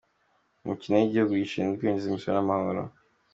Mu kino cy’igihugu gishinzwe kwinjiza imisoro n’amahoro